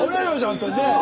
本当にね！